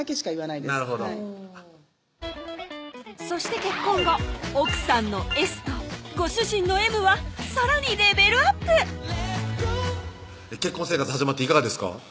なるほどそして結婚後奥さんのＳとご主人のＭはさらにレベルアップ結婚生活始まっていかがですか？